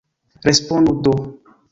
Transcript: Respondu do!